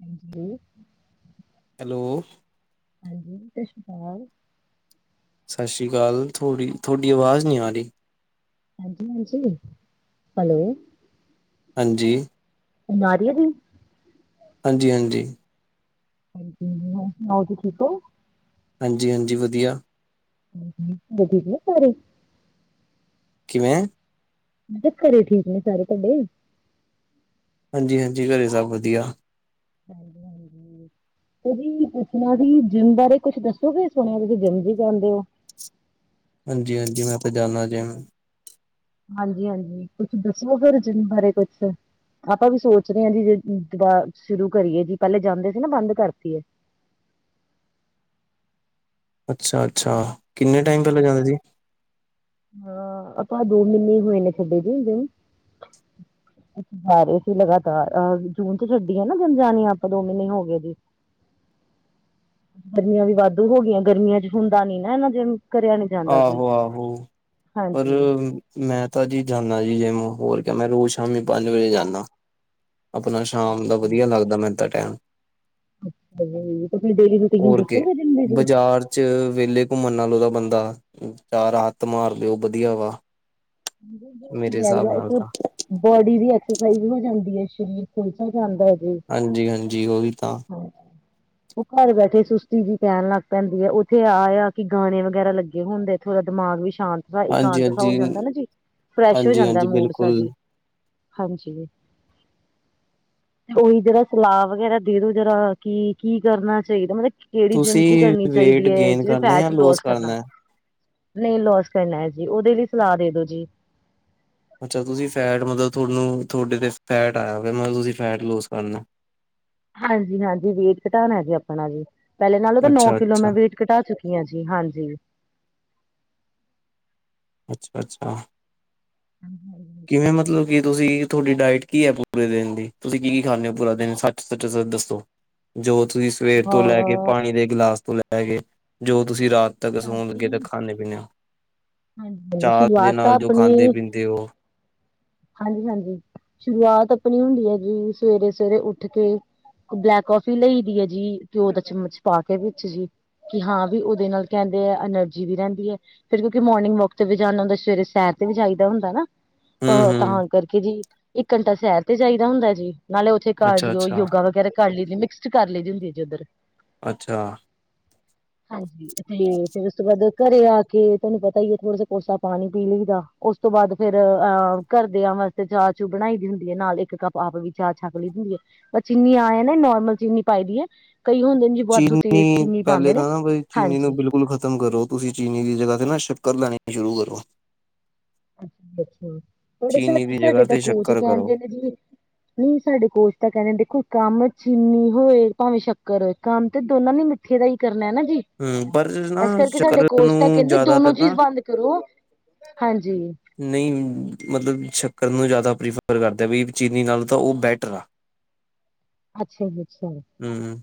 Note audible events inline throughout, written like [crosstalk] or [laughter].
ਹਾਂਜੀ। ਹੈਲੋ। ਹਾਂਜੀ। ਸਤਿ ਸ਼੍ਰੀ ਅਕਾਲ। ਸਤਿ ਸ਼੍ਰੀ ਅਕਾਲ। ਥੋੜੀ ਤੁਹਾਡੀ ਵਾਜ਼ ਨੀ ਆ ਰਹੀ। ਹਾਂਜੀ ਹਾਂਜੀ। ਹੈਲੋ। ਹਾਂਜੀ। ਨਾਰੀਏ ਦੀ। ਹਾਂਜੀ ਹਾਂਜੀ। ਹਾਂਜੀ ਹ ਆਓ ਜ ਠੀਕ ਹੋ। ਹਾਂਜੀ ਹਾਂਜੀ ਵਧੀਆ। ਹੋਠ ਸਾਰੇ। ਕਿਵੇਂ। ਮ ਘਰੇ ਠੀਕ ਨੇ ਸਾਰੇ ਤੁਹਾਡੇ। ਹਾਂਜੀ ਹਾਂਜੀ ਘਰੇ ਸਭ ਵਧੀਆ। [inaudible] ਹਾਂਜੀ-ਹਾਂਜੀ, ਜੀ ਪੁਛਣਾ ਜ ਜਿੰਮ ਬਾਰੇ ਕੁਝ ਦੱਸੋ ਕੀ ਸੁਣਿਆ ਤੁਸੀਂ ਜਿੰਮ ਜ ਜਾਦੇ ਹੋ? ਹਾਂਜੀ ਹਾਂਜੀ ਮੈਂ ਆਪ ਜਾਣਾ ਜੇ। ਹਾਂਜੀ ਹਾਂਜੀ ਕੁੱਛ ਦੱਸੋ ਗ ਰਜਨ ਬਾਰੇ ਕੁਛ। ਆਪਾਂ ਵੀ ਸੋਚ ਰਹੇ ਹਾਂ ਜੀ ਜੇ ਦਬਾਰ ਸ਼ੁਰੂ ਕਰੀਏ ਜੀ ਪਹਿਲੇ ਜਾਂਦੇ ਸੀ ਨਾ ਬੰਦ ਕਰਤੀਏ। ਅੱਛਾ ਅੱਛਾ ਕਿੰਨੇ ਟਾਈਮ ਪਹਿਲਾਂ ਜਾਂਦਾ ਜੀ। ਹਾਂ ਆਪਾਂ ਦੋ ਮੀਨੇ ਹੋਏ ਨੇ ਛਡੇ ਜੇ ਜਿੰਮ। [inaudible] ਸਾਰੇ ਸੀ ਲਗਾਤਾਰ ਅਹ ਜੂਨ ਚ ਛੱਡੀ ਹੈ ਨਾ ਜਿੰਮ ਜਾਾਣੀ ਆਪ ਦੋ ਮਹੀਨੇ ਹੋ ਗਏ ਜੀ। [inaudible] ਗਰਮੀਆਂ ਵੀ ਵਾਧੂ ਹੋ ਗਈਆਂ ਗਰਮੀਆਂ ਚ ਹੁੰਦਾ ਨੀ ਨਾ ਇਹਨਾਂ ਜਿੰਮ। ਆਹੋ ਆਹੋ ਪਰ। ਹਾਂਜੀ ਮੈਂ ਤਾਂ ਜੀ ਜਾਂਦਾ ਜੀ ਜਿਵੇ ਹੋਰ ਕ ਮੈਂ ਰੋਜ਼ ਸ਼ਾਮੀ ਪੰਜ ਵਜੇ ਜਾਂਦਾ। ਆਪਣਾ ਸ਼ਾਮ ਦਾ ਵਧੀਆ ਲੱਗਦਾ ਮੈਨ ਤਾਂ ਟੈਮ। ਅੱਛ ਜ ਤੁਸੀਂ ਡੇਲੀ ਰੂਟੀਨ ਹੋਰ ਕੇ ਦੱਸੋਗੇ ਜਿੰਮ ਦੀ ਜੀ। ਬਾਜ਼ਾਰ ਚ ਵਿਹਲੇ ਘੁੰਮਣ ਨਾਲੋ ਤ ਬੰਦਾ ਚਾਰ ਹੱਥ ਮਾਰ ਦਿਓ ਵਧੀਆ ਵਾ ਮੇਰੇ ਗਿਆਈ ਹਿਸਾਬ ਆ ਨਾਲ ਇਸ। ਤਾਂ ਬੋਡੀ ਦੀ ਐਕਸਰਸਾਈਜ਼ ਹੋ ਜਾਂਦੀ ਹੈ ਸਰੀਰ ਫੁਲਟ ਹੋ ਜਾਂਦਾ ਹੈ ਜੇ ਹਾਂਜੀ -ਹਾਂਜੀ ਉਹੀ ਤਾਂ। ਉਹ ਘਰ ਬੈਠੇ ਸੁਸਤੀ ਜੀ ਪੈਣ ਲੱਗ ਪੈਂਦੀ ਹੈ, ਉੱਥੇ ਆ ਆ ਕਿ ਗਾਣੇ ਵਗੈਰਾ ਲੱਗੇ ਹੁੰਦੇ। ਥੋੜਾ ਦਿਮਾਗ ਵੀ ਸ਼ਾਂਤ, ਇਕਾਂਤ ਹਾਂਜੀ-ਹਾਂਜੀ, ਹੋ ਜਾਂਦਾ ਨਾ ਜੀ। ਫਰੈਸ਼ ਹੋ ਜਾਂਦਾ ਹਾਂਜੀ-ਹਾਂਜੀ ਮੂਡ ਬਿਲਕੁਲ। ਸਾਜੀ ਹਾਂਜੀ। ਤੇ ਉਹੀ ਜਿਹੜਾ ਸਲਾਹ ਵਗੈਰਾ ਦੇ ਦੋ ਜਰਾ ਕੀ -ਕੀ ਕਰਨਾ ਚਾਹੀਦਾ, ਮਤਲਬ ਕੀ। ਕਿਹੜੀ ਜਿਮ ਜੀ ਤੁਸੀਂ ਕਰਨੀ ਵੇਟ ਚਾਹੀਦੀ ਹੈ, ਗੇਨ ਜਿਵੇਂ ਕਰਨਾ ਜਾਂ ਫੈਟ ਲੋਸ ਕਰਨਾ ਹੋਏ। ਨਹੀਂ ਲੋਸ ਕਰਨਾ ਹੈ ਜੀ, ਉਹਦੇ ਲਈ ਸਲਾਹ ਦੇ ਦੋ ਜੀ ਅੱਛਾ ਤੁਸੀਂ ਫੈਟ ਮਤਲਬ ਤੁਹਾਨੂੰ, ਤੁਹਾਡੇ ਤੇ ਫੈਟ ਆਇਆ ਹੋਇਆ ਮਤਲਬ ਤੁਸੀਂ ਫੈਟ ਲੂਜ ਕਰਨਾ। ਹਾਂਜੀ -ਹਾਂਜੀ ਵੇਟ ਘਟਾਉਣਾ ਜੀ ਆਪਣਾ ਜੀ, ਪਹਿਲੇ ਨਾਲੋਂ ਤਾਂ ਨੌ ਕਿਲੋ ਅੱਛਾ-ਅੱਛਾ, ਮੈਂ ਵੇਟ। ਘਟਾ ਚੁੱਕੀ ਆਂ ਜੀ, ਹਾਂਜੀ ਅੱਛਾ- ਅੱਛਾ। [inaudible] ਮਤਲਬ ਕਿ ਤੁਸੀਂ ਤੁਹਾਡੀ ਡਾਇਟ ਕੀ ਹੈ ਪੂਰੇ ਦਿਨ ਦੀ, ਤੁਸੀਂ ਕੀ- ਕੀ ਖਾਂਦੇ ਹੋ ਪੂਰਾ ਦਿਨ, ਸੱਚ ਸੱਚ ਦੱਸੋ? ਜੋ ਤੁਸੀਂ ਸਵੇਰ ਤੋਂ ਲੈ ਕੇ, ਹਾਂ ਪਾਣੀ ਦੇ ਗਿਲਾਸ ਤੋਂ ਲੈ, ਕੇ ਜੋ ਤੁਸੀਂ ਰਾਤ ਤੱਕ ਸੌਣ ਲੱਗੇ ਤਾਂ ਸਟਾਰਟਿੰਗ ਖਾਂਦੇ- ਪੀਦੇ ਹੋ, ਹਾਂਜੀ ਚਾਹਅ ਦੇ ਸ਼ੁਰੂਆਤ ਤਾਂ ਨਾਲ ਜੋ ਆਪਣੀ ਖਾਂਦੇ- ਪੀਂਦੇ ਉਹ। ਹਾਂਜੀ -ਹਾਂਜੀ। ਸ਼ੁਰੂਆਤ ਆਪਣੀ ਹੁੰਦੀ ਹੈ ਜੀ ਸਵੇਰੇ- ਸਵੇਰੇ ਉੱਠ ਕੇ ਬਲੈਕ ਕਫੀ ਲਈ ਦੀ ਹੈ ਜੀ, ਘਿਓ ਦਾ ਚਮਚ ਪਾ ਕੇ ਵਿੱਚ ਜੀ। ਕਿ ਹਾਂ ਵੀ, ਉਹਦੇ ਨਾਲ ਕਹਿੰਦੇ ਆ, ਐਨਰਜੀ ਵੀ ਰਹਿੰਦੀ ਹੈ। ਫੇਰ ਕਿਉਂਕਿ ਮੋਰਿੰ ਵਕ ਤੇ ਵੀ ਜਾਣਾ ਹੁੰਦਾ, ਸਵੇਰੇ ਸੈਰ ਤੇ ਵੀ ਜਾਈਦਾ ਹੁੰਦਾ ਨਾ। ਅਹ ਹੂੰ-ਹੂੰ, ਤਾਂ ਕਰਕੇ ਜੀ, ਇੱਕ ਘੰਟਾ ਸ਼ਹਿਰ ਤੇ ਚਾਹੀਦਾ ਹੁੰਦਾ ਜੀ, ਨਾਲੇ ਉੱਥੇ ਘਰਡੀਓ ਅੱਛਾ-ਅੱਛਾ, ਅੱਛਾ। ਯੋਗਾ ਵਗੈਰਾ ਕਰ ਲਈ ਮਿਕਸ ਕਰ ਲਈ ਹੁੰਦੀ ਹੈ ਜੇ ਉੱਧਰ। ਅੱਛਾ। ਹਾਂਜੀ ਤੇ ਫਿਰਰ, ਉਸ ਤੋਂ ਬਾਅਦ ਘਰੇ ਆ ਕੇ, ਤੁਹਾਨੂੰ ਪਤਾ ਹੀ ਹੈ ਥੋੜਾ ਜ ਕੋਸਾ ਪਾਣੀ ਪੀ ਲਈਦਾ। ਉਸ ਤੋਂ ਬਾਅਦ ਫੇਿਰ ਅ ਘਰਦਿਆਂ ਵਾਸਤੇ ਚਾਹ- ਚੂ ਬਣਾਈ ਦੀ ਹੁੰਦੀ ਹੈ, ਨਾਲ ਇੱਕ ਕੱਪ ਆਪ ਵੀ ਚਾਹ ਛੱਕ ਲਈ ਦਈਂ ਹੈ।। ਚੀਨੀ ਆਏ ਨੇ ਨੋਰਮਲ ਚੀਨੀ ਪਾਈ ਦੀ ਹੈ, ਕਈ ਹੁੰਦੇ ਨੇ ਜੀ ਵਾਧੂ ਚੀਨੀ ਤੇਜ਼ ਚੀਨੀ ਪਹਿਲੇ ਪਾਉਂਦੇ ਨੇ ਤਾਂ ਨਾ ਬੀ ਚੀਨੀ ਹਾਂਜੀ। ਨੂੰ ਬਿਲਕੁਲ ਖ਼ਤਮ ਕਰੋ। ਤੁਸੀਂ ਚੀਨੀ ਦੀ ਜਗ੍ਹਾ ਤੇ ਨਾ ਸ਼ੱਕਰ ਲੈਣੀ ਸ਼ੁਰੂ ਕਰੋ। ਅੱ ਅੱਛਾ। ਪਰ ਚੀਨੀ ਦੀ ਜਗ੍ਹਾ ਸਾਡੇ ਤਾਂ ਤੇ ਕੋਚ ਸ਼ੱਕਰ ਕਰੋ ਕਹਿੰਦੇ ਨੇ ਜੀ। ਨਹੀਂ, ਸਾਡੇ ਕੋਚ ਤਾਂ ਕਹਿੰਦੇ ਦੇਖੋ, ਕੰਮ ਚੀਨੀ ਹੋਏ ਭਾਵੇਂ ਸ਼ੱਕਰ ਹੋਏ, ਕੰਮ ਤੇ ਦੋਨਾਂ ਨੇ ਮਿੱਠੇ ਦਾ ਹੀ ਕਰਨਾ ਹੈ ਜੀ। ਹੂੰ ਪਰ ਨਾ ਇਸ ਕਰਕੇ ਸਾਡੇ ਸ਼ੱਕਰ ਕੋਸਚ ਤਾਂ ਨੂੰ ਕਹਿੰਦੇ ਦੋਨੋ ਜ਼ਿਆਦਾਤਰ ਚੀਜ਼ ਨਾ ਬੰਦ ਕਰੋ। ਹਾਂਜੀ। ਨਹੀਂ, ਮਤਲਬ ਸ਼ੱਕਰ ਨੂੰ ਜ਼ਿਆਦਾ ਪ੍ਰੀਫਰ ਕਰਦੇ ਵੀ, ਚੀਨੀ ਨਾਲ ਤਾਂ ਉਹ ਬੈਟਰ ਆ। [inaudible] ਅੱਛਾ ਜੀ, ਅੱਛਾ ਜੀ। ਹੂ- ਹੂ।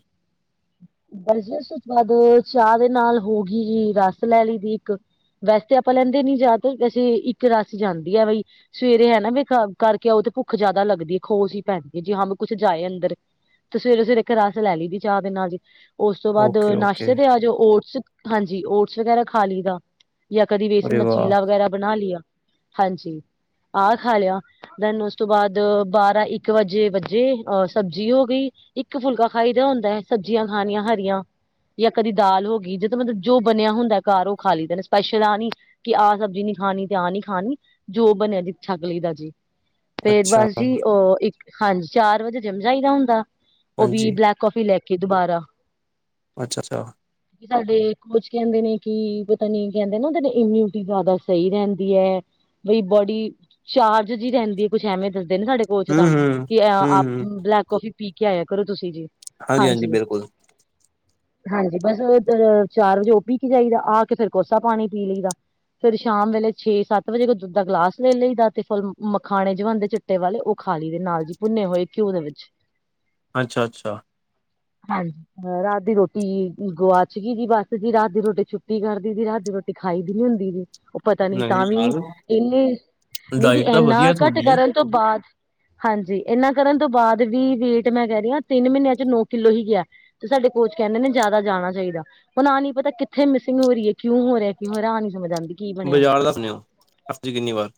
ਬਰਜਸ ਉਸ ਤੋਂ ਬਾਅਦ ਚਾਹ ਦੇ ਨਾਲ ਹੋ ਗਈ, ਰਸ ਲੈ ਲਈ ਦੀ ਇੱਕ। ਵੈਸੇ ਤਾਂ ਆਪਾਂ ਲੈਂਦੇ ਨੀ ਜਾਦਾ, ਵੈਸੇ ਇੱਕ ਰਾਸ ਜਾਂਦੀ ਹੈ ਬਈ। ਸਵੇਰੇ ਹੈ ਨਾ ਵੀੇਖ ਕਰਕੇ ਆਓ ਤਾਂ ਭੁੱਖ ਜ਼ਿਆਦਾ ਲੱਗਦੀ ਹੈ, ਖੋ ਹੀ ਪੈਂਦੀ ਹੈ ਜੀ ਹਾਂ ਕੁੱਛ ਜਾਏ ਅੰਦਰ। ਤੇ ਸਵੇਰੇ- ਸਵੇਰੇ ਇੱਕ ਰਸ ਲੈ ਲਈ ਦੀ ਚਾਹ ਨਾਲ ਜੀ ਉਸ ਤੋਂ ਬਾਅਦ ਓਕੇ ਓਕੇ ਨਾਸ਼ਤੇ ਤੇ ਆ ਜਾਓ, ਓਟਸ ਹਾਂਜੀ, ਓਟਸ ਵਗੈਰਾ ਖਾ ਲਈ ਦਾ। ਜਾਂ ਕਦੀ ਵੇਸਣ ਅਰੇ ਦਾ ਵਾਹ ਚੀਲਾ ਵਗੈਰਾ ਬਣਾ ਲਿਆ। ਹਾਂਜੀ, ਆਹ ਖਾ ਲਿਆ। ਥੇਨ, ਉਸ ਤੋਂ ਬਾਅਦ ਬਾਰਾਂ ਇੱਕ ਵਜੇ ਵੱਜੇ, ਅਹ ਸਬਜ਼ੀ ਹੋ ਗਈ। ਇੱਕ ਫੁਲਕਾ ਖਾਈ ਦਾ ਹੁੰਦਾ ਹੈ, ਸਬਜ਼ੀਆਂ ਖਾਣੀਆਂ ਹਰੀਆਂ। ਜਾਂ ਕਦੀ ਦਾਲ ਹੋ ਗਈ, ਜਦੋਂ ਮਤਲਬ ਜੋ ਬਣਿਆ ਹੁੰਦਾ ਘਰ, ਉਹ ਖਾ ਲਈ ਦਾ, ਸਪੈਸ਼ਲ ਆ ਨੀ। ਕਿ ਆਹ ਸਬਜ਼ੀ ਨੀ ਖਾਣੀ ਤੇ ਆਹ ਨੀ ਖਾਣੀ, ਜੋ ਬਣਿਆ ਜੀ ਛਕ ਲਈ ਦਾ ਜੀ। ਫੇਰ ਅੱਛਾ ਬਸ ਜੀ ਉਹ, ਇੱਕ ਹਾਂਜੀ, ਚਾਰ ਵਜੇ ਜਿੰਮ ਜਾਈਦਾ ਹੁੰਦਾ, ਉਹ ਵੀ ਹਾਂਜੀ ਬਲੈਕ ਕੋਫੀ ਲੈ ਕੇ। ਕੇ ਦੁਬਾਰਾ। ਅੱਛਾ- ਅੱਛਾ। ਸਾਡੇ ਕੋਚ ਕਹਿੰਦੇ ਨੇ ਕਿ ਪਤਾ ਨੀ ਕਹਿੰਦੇ ਨਾ ਉਹ ਇਮਿਊਨਿਟੀ ਜ਼ਿਆਦਾ ਸਹੀ ਰਹਿੰਦੀ ਹੈ। ਬਈ ਬੋਡੀ ਚਾਰਜ ਜਿਹੀ ਰਹਿੰਦੀ ਹੈ ਕੁਛ ਐਵੇਂ ਦੱਸਦੇ ਨੇ ਸਾਡੇ। ਸੋਚ ਹੂੰ ਤਾਂ, ਹੂੰ ਕਿ ਹੂੰ ਆਪ ਹੂੰ ਬਲੈਕ ਕੌਫੀ ਪੀ ਕੇ ਆਇਆ ਕਰੋ ਤੁਸੀਂ ਜੀ। ਹਾਂਜੀ। ਹਾਂਜੀ। ਬਸ ਦ, ਚਾਰ ਵਜ਼ੇ ਓ ਪੀ ਕੇ ਜਾਈਦਾ, ਆ ਕੇ ਫ਼ਿਰ ਕੋਸਾ ਪਾਣੀ ਪੀ ਲਈਦਾ। ਫ਼ਿਰ ਸ਼ਾਮ ਵੇਲੇ ਛੇ-ਸੱਤ ਵਜ਼ੇ ਕੁ, ਦੁੱਧ ਦਾ ਗਲਾਸ ਲੈ ਲਈਦਾ ਤੇ ਫੁੱਲ, ਮਖਾਣੇ ਜਵਾਅਦੇ ਚ' ਪੁਣੇ ਵਾਲੇ ਓ ਖਾਂ ਲੀਏਦੇ ਨਾਲ ਜੀ, ਭੁੰਨੇ ਹੋਏ ਘਿਓ ਦੇ ਵਿੱਚ। ਅੱਛਾ-ਅੱਛਾ। ਹਾਂਜੀ, ਰਾਤ ਦੀ ਰੋਟੀ ਗੁਆਚ ਗਈ ਜੀ, ਬਸ ਜੀ। ਰਾਤ ਦੀ ਰੋਟੀ ਛੁੱਟੀ ਕਰਤੀ ਸੀ। ਰਾਤ ਦੀ ਰੋਟੀ। ਦਿਖਾਈ ਦੀ ਨੀ ਹੁੰਦੀ ਨੀ। ਪਤਾ ਨੀ ਨਹੀਂ ਤਾਵੀ, ਯਾਰ ਇੰਨੇ, ਨਹੀਂ ਜੀ ਡਾਇਟ ਤਾਂ ਇੰਨਾ ਵਧੀਆ ਘੱਟ ਤੁਹਾਡੀ ਕਰਨ ਤੋਂ ਬਾਅਦ, ਹਾਂਜੀ। ਇਹਨਾਂ ਕਰਨ ਤੋਂ ਬਾਅਦ ਵੀ ਵੇਟ ਮੈਂ ਕਹਿ ਰਈਂ ਆਂ, ਤਿੰਨ ਮਹੀਨੇ ਨੋ ਕਿੱਲੋ ਹੀ ਗਿਆ ਤੇ ਸਾਡੇ ਕੋਚ ਕਹਿੰਦੇ ਨੇ ਜ਼ਿਆਦਾ ਜਾਣਾ ਚਾਹੀਦਾ। ਮਤਲਬ ਆ ਨਹੀਂ ਪਤਾ ਕਿੱਥੇ ਮਿਸਿੰਗ ਹੋ ਰਈ ਏ, ਕਿਉਂ ਹੋ ਰਿਹਾ ਕਿਉ ਹੋ ਰਿਆ ਆ ਨ ਸਮਝ ਆਂਦੀ। ਬਜ਼ਾਰ ਦੱਸਨੇ ਆਂ ਹਫ਼ਤੇ ਕਿੰਨੀ ਵਾਰ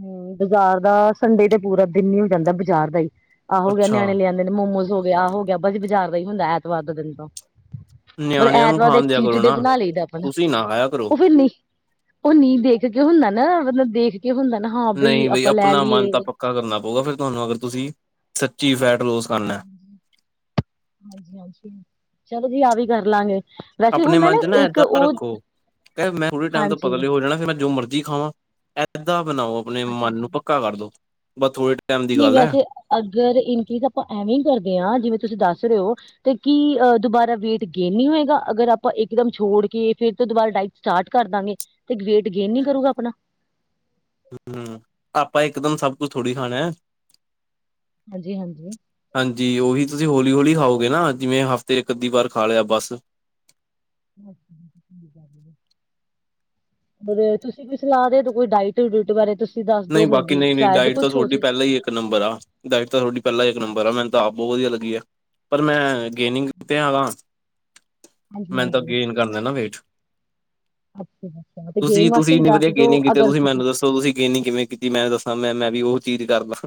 ਹੁੰ ਬਾਜ਼ਾਰ ਦਾ, ਸੰਡੇ ਤੇ ਪੂਰਾ ਦਿਨ ਹੀ ਹੋ ਜਾਂਦਾ ਬਜ਼ਾਰ ਦਾ ਈ ਆਹੋ ਗਿਆ ਅੱਛਾ ਨਿਆਣੇ ਲਿਆਂਦਾ ਨ ਮੋਮੋਸ ਹੋ ਗਿਆ, ਆਹ ਹੋ ਗਿਆ, ਬਸ ਬਜ਼ਾਰ ਦਾ ਈ ਹੁੰਦੈ ਐਤਵਾਰ ਦਾ ਦਿਨ ਤਾਂ। ਮਤਲਬ ਨਿਆਣਿਆਂ ਨੂੰ ਐਤਵਾਰ ਦਾ ਖਾਣ ਇੱਕ ਦਿਆ ਕਰੋ ਚੀਟਡੇ ਨਾ ਬਣਾ ਲਈਦਾ ਆਪਣਾ। ਤੁਸੀਂ ਨਾ ਖਾਇਆ ਕਰੋ ਉਹ ਫਿਰ ਨੀ ਉਹ ਨੀਂ ਦੇਖ ਕੇ ਹੁੰਦਾ ਨਾ ਮਤਲਬ ਦੇਖ ਕੇ ਹੁੰਦਾ ਨਾ ਹਾਂ ਬਈ ਨਹੀਂ ਆਪਾਂ ਲੈ ਆਪਣਾ ਮਨ ਤਾਂ ਲੀਏ। ਪੱਕਾ ਕਰਨਾ ਪਊਗਾ ਫੇਰ ਤੁਹਾਨੂੰ ਅਗਰ ਤੁਸੀਂ, ਸੱਚੀ ਫੈਟ ਰੋਸ ਹਾਂਜੀ। ਹਾਂਜੀ-ਹਾਂਜੀ ਚਲੋ ਜੀ ਆਹ ਵੀ ਕਰ ਲਾਂਗੇ, ਵੈਸੇ ਹੁੰਦਾ ਨਾ ਇੱਕ ਉਹ ਕਿੰ ਮੈਂ ਥੋੜ੍ਹੇ ਟਾਈਮ ਤੋਂ ਹਾਂਜੀ ਪਤਲੇ ਹੋ ਜਾਣਾ ਫੇਰ ਮੈਂ ਜੋ ਮਰਜੀ ਖਾਵਾਂ, ਏਦਾਂ ਬਨਾਓ। ਆਪਣੇ ਅੱਛਾ ਮੰਨ ਨੂੰ ਜੀ ਪੱਕਾ ਕਰ ਦੋ। ਬ ਥੋ ਨਹੀਂ ਵੈਸੇ, ਅਗਰ ਇਨਕੀਜ਼ ਆਪਾਂ ਐਵੇਂ ਹੀ ਕਰਦੇ ਆਂ ਜਿਵੇਂ ਤੁਸੀਂ ਦੱਸ ਰਹੇ ਓ ਤੇ ਕੀ, ਅ, ਦੁਬਾਰਾ ਵੇਟ ਗੇਨ ਨਹੀਂ ਹੋਏਗਾ, ਅਗਰ ਆਪਾਂ ਇੱਕਦਮ ਛੌੜ ਕੇ ਫਿਰ ਤੋਂ ਦੁਬਾਰਾ ਡਾਈ ਸਟਾਰਟ ਕਰ ਦਾਂਗੇ, ਤੇ ਗੇ੍ਟ ਗੇਨ ਨੀ ਕਰੂਗਾ ਆਪਣਾ? ਹੁੰ ਆਪਾਂ ਇੱਕ ਦਮ ਸਭ ਕੁੱਛ ਥੋੜ੍ਹੀ ਖਾਣੈ। ਹਾਂਜੀ-ਹਾਂਜੀ। ਹਾਂਜੀ। ਉਹੀ ਤੁਸੀਂ ਹੋਲੀ-ਹੋਲੀ ਖਾਓਗੇ ਨਾ, ਜਿਵੇਂ ਹਫ਼ਤੇ ਇੱਕ-ਅੱਧੀ ਵਾਰ ਖਾ ਲਿਆ ਬਸ। ' [inaudible] ਫੇਰ ਤੁਸੀ ਵੀ ਸਲਾਹ ਦੇ ਦੋ ਕੋਈ ਡਾਇਟ ਡੂਟ ਬਾਰੇ ਤੁਸ ਨਈਂ ਬਾਕੀ ਨਈਂ-ਨਈਂ ਡਾਇਟ ਤਾਂ ਤੁਹਾਡੀ ਪਹਿਲਾਂ ਹੀ ਇੱਕ ਨੰਬਰ ਆ, ਡਾਇਟ ਤਾਂ ਤੁਹਾਡੀ ਪਹਿਲਾਂ ਹੀ ਇੱਕ ਨੰਬਰ ਆ। ਅੱਛਾ, ਮ ਦਾ ਬਹੁਤ ਵਧੀਆ ਲੱਗੀ ਐ, ਪਰ ਮੈਂ ਗੇਨਿੰਗ ਤੇ ਐਗਾ। ਹਾਂਜੀ ਮੈ ਤਾਂ ਹਾਂਜੀ ਗੇਨ ਕਰਨੈ ਨਾ ਵੇਟ। ਅੱਛਾ ਅੱਛਾ, ਤੇ ਗੇਨ ਵਾਸਤੇ ਤੁਸੀ-ਤੁਸੀ ਹੀ ਇੰਨੀ ਵਧੀ ਦੱਸ ਗੇਨ ਦੋ ਨੀ ਕੀਤੇ ਅਗਰ ਤੁਸੀਂ ਕਿਸੇ ਮੈਂਨੂੰ ਦੱ ਤੁਸੀਂ ਗੇਨਿੰਗ ਕਿਵੇਂ ਕੀਤੀ? ਮੈਂ ਦੱਸਾਂ, ਮੈਂ, ਮੈਂ ਵੀ ਉਹ ਚੀਜ਼ ਕਰਲਾਂ।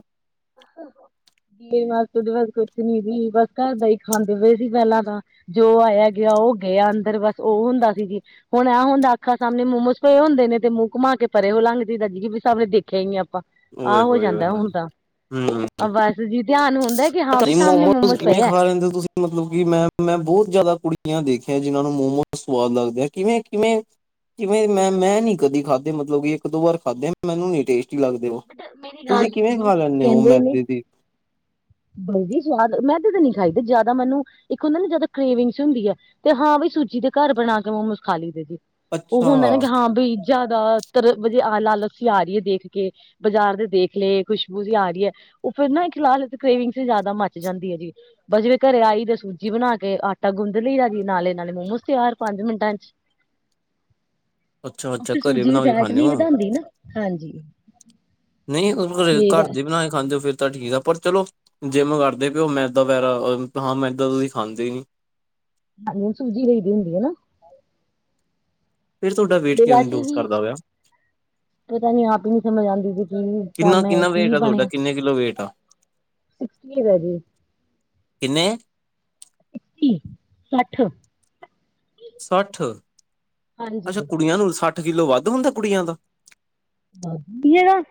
' [inaudible] ' ਬਸ ਕੁੱਛ ਨੀ ਸੀ, ਬਸ ਘਰ ਦਾ ਹੀ ਖਾਂਦੇ ਪਏ ਸੀ, ਪਹਿਲਾਂ ਤਾਂ। ਜੋ ਆਇਆ ਗਿਆ ਉਹ ਗੇਯਾ ਅੰਦਰ ਬਸ ਓ ਹੁੰਦਾ ਸੀ ਜੀ। ਹੁਣ ਆ ਹੁੰਦਾ ਅੱਖਾਂ ਸਾਹਮਣੇ ਮੋਮੋਸ ਪਏ ਹੁੰਦੇ ਨੇ ਤੇ ਮੂੰਹ ਘੁੰਮਾ ਕੇ ਪਰੇ ਓ ਲੰਘ ਜੀਂਦਾ। ' [unintelligible] ' ਦੇਖਿਆ ਨੀ ਆਪਾਂ। ਆਂ ਓਏ ਹੋ ਹੋਏ ਹੋਏ ਜਾਂਦਾ ਹੋਏ ਹੁਣ ਤਾਂ, ਹੂੰ ਬਸ ਜੀ ਧਿਆਨ ਹੁੰ ਪਤਾ ਨੀ ਮੋਮੋਸ ਤੁਸੀਂ ਕਿਵੇਂ ਖਾਂ ਲੈਂਦੇ ਤੁਸੀਂ? ਮਤਲਬ ਕਿ ਮੈਂ, ਮੈਂ ਬਹੁਤ ਜ਼ਿਆਦਾ ਕੁੜੀਆਂ ਦੇਖੀਆਂ ਜਿੰਨਾਂ ਨੂੰ ਮੋਮੋਜ਼ ਸਵਾਦ ਲੱਗਦੇਆ। ਕਿਵੇਂ-ਕਿਵੇਂ ਜਿਵੇਂ ਮੈਂ-ਮੈਂ ਨੀ ਕਦੀ ਖਾਦੇ ਮਤਲਬ ਕੀ ਇੱਕ-ਦੋ ਵਾਰ ਖਾਦੇ ਮੈਂਨੂੰ ਨੀ ਟੇਸਟੀ ਲੱ ' [inaudible] ' ਤੁਸੀਂ ਕਿਵੇਂ ਖਾਂ ਲੈੱਨੇ ਓਂ ਮੈਦੇ ਦੀ ਬਨਦੀ ਸਵਾਦ ਮੈਂ ਤੇ ਤਾਂ ਨੀ ਖਾਈ ਜ਼ਿਆਦਾ ਮੈਂਨੂੰ, ਇੱਕ ਹੁੰਦਾ ਨਾ ਜੱਦ ਕਰੇਵਿੰਗਸ ਹੁੰਦੀ ਐ। ਤੇ ਹਾਂ ਵੀ ਸੁੱਜੀ ਦੇ ਘਰ ਬਣਾ ਕੇ ਮੋਮੋਸ ਖਾ ਲਈਦੇ ਸੀ। ਓ ਹੁੰਦਾ ਨਾ ਅੱਛਾ ਕਿ ਹਾਂ ਬੀ ਜ਼ਿਆਦਾਤਰ ਮੂਜੇ ਆ ਲਾਲਸ ਈ ਆ ਰਹੀ ਏ ਦੇਖ ਕੇ। ਬਾਜ਼ਾਰ ਤੇ ਦੇਖ ਲਏ, ਖੁਸ਼ਬੂ ਜੀ ਆ ਰਹੀ ਏ ਓ ਫਿਰ ਨਾ ਇਕ ਲਾਲਸ ਕ੍ਰੇਵਿੰਗਸ ਜ਼ਿਆਦਾ ਮੱਚ ਜਾਂਦੀ ਏ ਜੀ। ਪਰ ਜਿਵੇਂ' ਘਰੇ ਆਈ ਤੇ ਸੁੱਜੀ ਬਣਾ ਕੇ ਆਟਾ ਗੁੰਦ ਲਈਦਾ ਜੀ ਨਾਲੇ-ਨਾਲੇ ਮੋਮੋਸ ਤਿਆਰ ਪੰਜ ਮਿੰਟਾਂ 'ਚ'। [unintelligible] ਅੱਛਾ-ਅੱਛਾ ਫਿਰ ਘਰੇ ਸੂਜੀ ਦੀ ਬਣਾ ਕੇ ਫੈਟ ਖਾਂਦੇ ਨੀਂ ਹੋ ਵਧਾਂਦੀ ਨਾ, ਹਾਂਜੀ। ਨਹੀਂ ਘ ਤੇ ਘਰ ਵੈ- ਦੇ ਬਣਾ ਕੇ ਖਾਂਦੇ ਹੋ ਫਿਰ? ਤਾਂ ਠੀਕ ਆ ਪਰ ਚਲੋ, ਜਿੰਮ ਕਰਦੇ ਪਿਓ ਮੈਦਾ ਵੈਰਾ ਹਾਂ ਮੈਦਾ ਤੁਸੀਂ ਖਾਂਦੇ ਹੀ ਨੀ। ਹਾਂਜੀ ਹ ਸੂਜੀ ਲਈ ਦੀ ਹੁੰਦੀ ਹੈ ਨਾ? ਫਿਰ ਤੁਹਾਡਾ ਵੇਟ ਤੇ ਕਿਉਂ ਨੀਂ ਵੈਸੇ ਲੂਜ ਵੀ ਕਰਦਾ ਪਿਆ? ਪਤਾ ਨੀ ਆਪ ਹੀ ਨੀ ਸਮਝ ਆਂਦੀ ਸੀ ਕੀ ਕੰਮ ਐਂ ਕਿੰਨਾ-ਕਿੰਨਾ ਕੀ ਵੇਟ ਆ ਤੁਹਾਡਾ ਬਣਿਆ। ਕਿੰਨੇ ਕਿੱਲੋ ਵੇਟ ਆ ਸਸ ਹੈ ਜੀ। [unintelligible] ਕਿੰਨੇ? ਇੱਕੀ, ਸੱਠ। ਸੱਠ ਹਾਂਜੀ ਅੱਛਾ, ਕੁੜੀਆਂ ਨੂੰ ਸੱਠ ਕਿੱਲੋ ਵੱਧੂ ਹੁੰਦਾ, ਕੁੜੀਆਂ ਦਾ। ' [inaudible]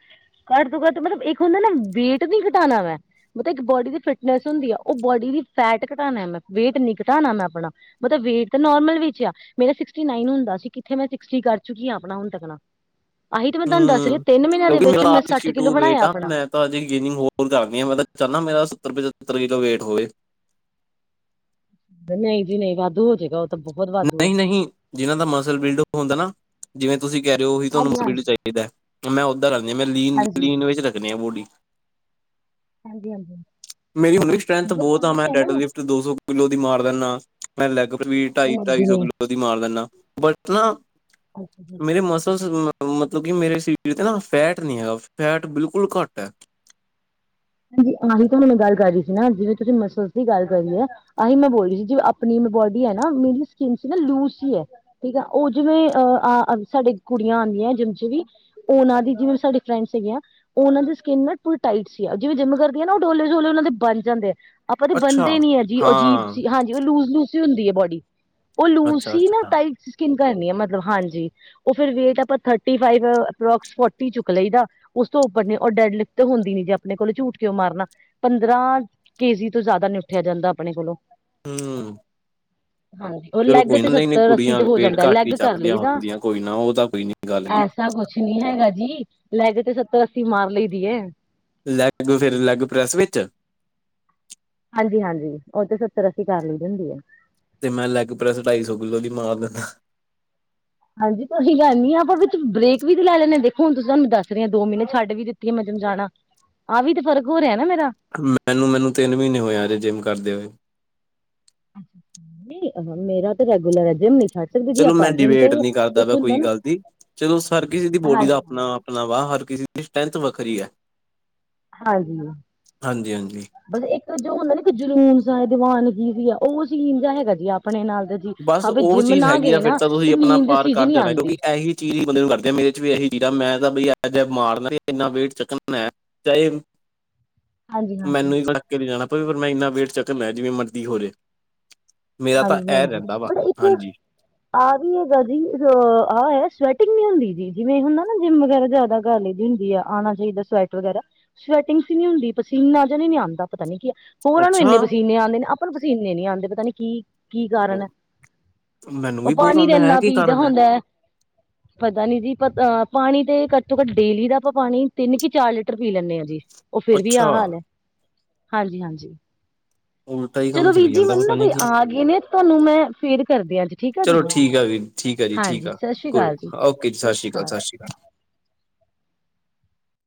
ਘੱਟ ਤੋਂ ਘੱਟ ਮਤਲਬ ਇੱਕ ਹੁੰਦਾ ਨਾ, ਵੇਟ ਨੀ ਘਟਾਣਾ ਮੈਂ। ਮੈ ਕਿਹਾ, ਇੱਕ ਬੋਡੀ ਦੀ ਫਿਟਨੈਂਸ ਹੁੰਦੀ ਆਂ। ਓ ਬੋਡੀ ਦੀ ਫੈਟ ਘਟਾਣਾ ਮੈਂ, ਵੇਟ ਨਹੀਂ ਘਟਾਣਾ ਮੈਂ ਆਪਣਾ। ਮਤਲਬ ਵੇਟ ਤਾਂ ਨਾਰਮਲ ਵਿੱਚ ਆ, ਮੇਰਾ ਸਿਕਸਟੀ- ਨਾਈਨ ਹੁੰਦਾ ਸੀ ਕਿੱਥੇ ਮੈਂ ਸਿਕਟੀ ਕਰ ਚੁੱਕੀ ਹਾਂ, ਆਪਣਾ ਹੁਣ ਤੱਕ ਨਾ। ਆਹੀ ਤੇ ਮੈਂ ਤੁਹਾਨੂੰ ਦੱਸ ਰਹੀ ਹੂੰ, ਤਿੰਨ ਮਹੀਨਿਆਂ ਦੇ ਕਿਉਂਕਿ ਵਿੱਚ ਮੇਰਾ ਮੈਂ ਆਪ' ਸੱਠ ਕਿੱਲੋ ਸਿਕਟੀ-ਟੂ ਵੇਟ ਬਣਾਇਆ ਆ, ਆਪਣਾ ਮੈਂ ਤਾਂ ਅਜੇ ਗੇਨਿੰਗ ਹੋਰ ਕਰਨੀ ਆ, ਮੈਂ ਤਾਂ ਚਾਹਣਾ ਮੇਰਾ ਸੱਤਰ-ਪਚੱਤਰ ਕਿੱਲੋ ਵੇਟ ਹੋਏ। ਨਹੀਂ ਜੀ-ਨਹੀਂ, ਵਾਧੂ ਹੋਜੇਗਾ। ਨਹੀਂ-ਨਹੀਂ, ਜਿਨ੍ਹਾਂ ਦਾ ਮਸਲ ਬਿਲਡ ਹੁੰਦਾ ਨਾ ਜਿਵੇਂ ਤੁਸੀਂ ਕਹਿ ਰਹੇ, ਓਵੀ ਤੁਹਾਨੂੰ ਹਾਂਜੀ ਹਾਂਜੀ ਚਾਹੀਦਾ ਹੈ ਮੈਂ ਓਦਾਂ ਕਰਨੀ ਮੈਂ ਹਾਂਜੀ ਲੀਨ-ਲੀਨ ਵਿੱਚ ਰੱਖਣੀ ਆ ਬੌਡੀ। ਹਾਂਜੀ-ਹਾਂਜੀ। ਮੇਰੀ ਹੁਣ ਵੀ ਸਟੈ੍ਂਥ ਬਹੁਤ ਆ ਮੈਂ ਡੈਡਲਿਫ਼ਟ ਦੋ ਸੌ ਕਿਲੋ ਦੀ ਮਾਰ ਦਿੰਣਾ ਮੈਂ ਲੈਗ ਵੀ ਨਹੀਂ ਜੀ ਢਾਈ-ਢਾਈ ਸੌ ਨਹੀਂ ਕਿਲੋ ਦੀ ਮਾਰ ਦਿਣਾ ਬਟ ਨਾ, ਹਾਂਜੀ ਮੇਰੇ ਮਸ ਮਸਲ ਮਤਲਬ ਕੀ ਮੇਰੇ ਸ਼ਰੀਰ ਤੇ ਨਾ ਫੈਟ ਨੀ ਆਯਾ, ਫੈ ਬਿਲਕੁਲ ਘੱਟ ਹੈ। ਹਾਂਜੀ, ਆਹੀ ਤਾਂ ਮੈਂ ਗੱਲ ਕਰ ਰਹੀ ਸੀ ਨਾ। ਜਿਵੇਂ ਤੁਸੀਂ ਮਸਲ ਦੀ ਗੱਲ ਕਰੀਏ। ਆਹੀ ਮੈਂ ਬੋਲ ਰਹੀ ਸੀ, ਜਿ ਆਪਣੀ ਬੋਡੀ ਹੈ ਨਾ ਮੇਰੀ ਸਕਿਨ ਸੀ ਨਾ ਲੂਜ ਹੀ ਹੈ। ਠੀਕ ਆ, ਉਹ ਜਿਵੇਂ ਅ ਸਾਡੇ ਕੁੜੀਆਂ ਆਉਂਦੀਆਂ ਜਿਮ ਚ ਵੀ ਉਹਨਾਂ ਦੀ ਜਿਵੇਂ ਸਾਡੇ ਫਰੈਂਡਸ ਸੀ ਗੀਆਂ ਉਹਨਾਂ ਦੀ ਸਕਿੰਨ ਨਾ ਪੂਰੀ ਟਾਈਟ ਸੀ। ਜਿਵੇਂ ਜਿੰਮ ਕਰਦੀ ਨਾ ਉਹ ਡੋਲੇ-ਸੋਲੇ ਉਹਨਾਂ ਦੇ ਬਣ ਜਾਂਦੇ ਆ। ਆਪਾਂ ਤੇ ਅੱਛਾ ਬੰਦੇ ਨੀ ਹੈ ਜੀ ਅਜੀਬ ਹਾਂ ਸੀ ਹਾਂਜੀ, ਉਹ ਲੂਸ-ਲੂਸ ਹੁੰਦੀ ਹੈ ਬੋਡੀ। ਉਹ ਲੂਸ ਅੱਛਾ ਸੀ ਨਾ ਅੱਛਾ ਟਾਈਟ ਸਕਿਨ ਕਰਨੀ ਆ, ਮਤਲਬ ਹਾਂਜੀ। ਉਹ ਫਿਰ ਵੇਟ ਆਪਾਂ ਥਰਟੀ ਫਇਫ ਅਪਰੋਕਸ ਫੋਰਟੀ ਚੁੱਕ ਲਈਦਾ। ਉਸ ਤੋਂ ਉੱਪਰ ਨੇ ਔ ਡੈਡ ਲਿਫਟ ਹੁੰਦੀ ਨੀ। ਆਪਣੇ ਕੋਲ ਝੂਠ ਕਿਉਂ ਮਾਰਨਾ, ਪੰਦਰਾਂ ਕੇ ਜੀ ਤੋਂ ਜ਼ਿਆਦਾ ੳਠਿਆ ਜਾਂਦਾ ਆਪਣੇ ਕੋਲੋਂ। ਹੂੰ। ਹਾਂਜੀ। ਉਹ ਲੈਗ ਤੇ ਨਹੀਂ ਸੱਤਰ-ਅੱਸੀ ਕੁੜੀਆਂ ਤੇ ਹੋ ਵੇਟ ਜਾਂਦਾ ਘੱਟ ਹੀ ਲੈਗ ਕਰ ਚੱਕਦੀਆਂ ਲਈਦਾ, ਹੁੰਦੀਆਂ ਕੋਈ ਨਾ ਉਹ ਤਾਂ ਕੋਈ ਨੀ ਗੱਲ ਗੀ। ਐਸਾ ਕੁਛ ਕੁਛ ਨੀ ਹੈਗਾ ਜੀ, ਲੈਗ ਤੇ ਸੱਤਰ, ਅੱਸੀ ਮਾਰ ਲਈ ਦੀਏ। ਲੈਗ ਫੇਿਰ ਲੈਗ ਪ੍ਰੈਸ ਵਿੱਚ। ਹਾਂਜੀ-ਹਾਂਜੀ, ਉਹ ਤੇ ਸੱਤਰ, ਅੱਸੀ ਕਰ ਲੈਂਦੀ ਹੁੰਦੀ ਹੈ। ਤੇ ਮੈਂ ਲੈੱਗ ਪ੍ਰੈਸ ਢਾਈ ਸੌ ਕਿੱਲੋ ਦੀ ਮਾਰ ਲੈ ਲਿਂਦਾ। ਹਾਂਜੀ, ਤੁਸੀ ਜਾਨਿਆ, ਆਪਾਂ ਵਿੱਚ ਬਰੇਕ ਵੀ ਲੈ ਲੈਨੇ ਹਾ, ਦੇਖੋ ਹੁਣ ਤੁਸੀਂ ਤੁਹਾਨੂੰ ਦੱਸ ਰਹੇ ਹੋ ਦੋ ਮਹੀਨੇ ਛੱਡ ਵੀ ਦਿੱਤ ਕੀ ਮੈਂ ਜਿਮ ਜਾਣਾ, ਆਹ ਵੀ ਤੇ ਫਰਕ ਹੋ ਰਿਹਾ ਨਾ ਮੇਰਾ। ਮੈਨੂੰ- ਮੈਨੂੰ ਤਿੰਨ ਮਹੀਨੇ ਹੋਏ, ਆਜੇ ਜਿੰਮ ਕਰਦੇ ਹੋਏ। ਨੀ, ਮੇਰਾ ਤਾਂ ਰੈਗੂਲਰ ਹੈ ਜਿਮ ਨੀ ਛੱਡ ਸਕਦੇ ਜੀ ਚਲੋ ਮੈ ਆਪਾਂ ਜਿੰਮ ਡੀਵੇਟ ਤੇ ਨਹੀਂ ਕਰਦਾ ਇੱਕ ਵਾ ਹੁੰਦਾ ਕੋਈ ਨਾ ਗੱਲ ਨਹੀਂ ਚਲੋ ਹਰ ਕਿਸੇ ਦੀ ਬੋਡੀ ਦਾ ਹਾਂਜੀ ਆਪਣਾ ਆਪਣਾ ਵਾਹ, ਹਰ ਕਿਸੇ ਦੀ ਸਟਰ੍ਰੈਂਥ ਵੱਖਰੀ ਹੈ। ਹਾਂਜੀ। ਹਾਂਜੀ ਹਾਂਜੀ ਬਸ ਇੱਕ ਜੋ ਹੁੰਦਾ ਨੀ ਇੱਕ ਜਨੂਨ ਸਾਏ, ਦੀਵਾਨਗੀ ਵੀ ਆ, ਉਹ ਸੀਨ ਜਾ ਹੈਗਾ ਜੀ ਆਪਣੇ ਨਾਲ। ਬਸ ਅਗਰ ਉਹ ਜਿੰਮ ਚੀਜ਼ ਨਾ ਹੈਗੀ ਆ ਗਏ ਫਿਰ ਨਾ ਤਾਂ ਤੇ ਤੁਸੀਂ ਆਪਣਾ ਨੀਂਦ ਪਾਰ ਸੀਜ ਕਰ ਨੀ ਜਾਣਾ ਕਿਉਂਕਿ ਆਉਂਦੀ। ਇਹੀ ਚੀਜ਼ ਬੰ ਕਰਦੇ ਮੇਰੇ ਚ ਵੀ ਇਹੀ ਚੀਜ਼ ਆ, ਮੈਂ ਤਾਂ ਬ ਅਜ ਮਾਰਨਾ ਇੰਨਾ ਵੇਟ ਚੱਕਣਾ ਚਾਹੇ ਇਹ ਹਾਂਜੀ ਹਾਂਜੀ ਮੈਨੂੰ ਹੀ ਕੜੱਕ ਕੇ ਨਹੀਂ ਜਾਣਾ ਪਵੇ, ਪਰ ਮੈਂ ਇੰਨਾ ਵੇਟ ਚੱਕਰ ਲਿਆ ਜਿਵੇਂ ਮਰਜ਼ੀ ਹੋ ਰਹੇ। ਮੇਰਾ ਤਾਂ ਹਾਂਜੀ ਇਹ ਹਾਂਜੀ ਰਹਿੰਦਾ ਵਾ ਬਟ ਇੱਕ ਹਾਂਜੀ। ਆਹ ਵੀ ਹੈਗਾ ਜੀ ਅ ਆਹ ਸਵੈਟਿੰਗ ਨ ਹੁੰਦੀ ਜੀ, ਜਿਵੇਂ ਹੁੰਦਾ ਨਾ ਜਿੰਮ ਵਗੈਰਾ ਜ਼ਿਆਦਾ। ਗਲ ਈਹੋ ਜੀ ਹੁੰਦੀ ਆ ਆਣਾ ਚਾਹੀਦਾ, ਸਵੈਟ ਵਗੈਰਾ ਸਵੈਟਿੰਗਸ ਨੀ ਹੁੰਦੀ, ਪਸੀਨਾ ਨਜਰ ਨੀ ਆਉਂਦਾ ਪਤਾ ਨੀ ਕਿ ਹਾ। ਹੋਰਾਂ ਨੂੰ ਇੰਨੇ ਅੱਛਾ ਪਸੀਨੇ ਆਉਂਦੇ ਨੇ ਆਪਾਂ ਨੂੰ ਪਸੀਨੇ ਨਹੀਂ ਆਉਂਦੇ ਪਤਾ ਨੀ ਕੀ ਕੀ ਕਾਰਨ ਹੈ ਮੈਨੂੰ ਉਹ ਵੀ ਬਹੁਤ ਪਾਣੀ ਤੇ ਆਉਂਦਾ ਹੈ ਇਨਾ ਕੀ ਪੀਦਾ ਕਾਰਨ ਹੁੰਦਾ ਹੈ। [inaudible] ਪਤਾ ਨੀ ਜੀ, ਪ ਪਾਣੀ ਤੇ ਘੱਟ ਤੋਂ ਘੱਟ ਡੇਲੀ ਦਾ ਆਪਾਂ ਪਾਣੀ ਤਿੰਨ ਕੀ ਚਾਰ ਲੀਟਰ ਪੀ ਲੈਂਦੇ ਆਜੀ। ਉਹ ਫਿਰ ਵੀ ਆਹ ਅੱਛਾ ਹਾਲ ਹੈ, ਹਾਂਜੀ-ਹਾਂਜੀ। ਉਲਟਾ ਹੀ ਕੰਮ ਚਲੀ ਜਾਂਦਾ ਪਤਾ ਨੀ ਜੀ ਗਏ ਨੇ ਤੁਹਾਨੂੰ ਮੈਂ ਫੇਰ ਕਰਦੀ ਆ ਜੀ ਠੀਕ ਆ ਜੀ। ਚਲੋ ਠੀਕ ਆ ਵੀ, ਠੀਕ ਆ ਜੀ ਠੀਕ ਹਾਂਜੀ ਆ। ਸਤਿ ਸ੍ਰੀ ਕੁ ਅਕਾਲ ਜੀ ਓਕੇ ਜੀ ਸਤਿ ਸਸ ਸ੍ਰੀ ਕਾਲ, ਅਕਾਲ। ਸਸ ਸ੍ਰੀ ਕਾਲ।